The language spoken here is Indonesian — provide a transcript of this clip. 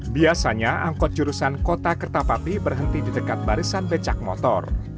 biasanya angkot jurusan kota kertapati berhenti di dekat barisan becak motor